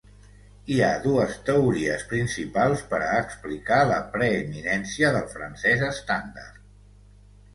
Hi ha dues teories principals per a explicar la preeminència del francès estàndard.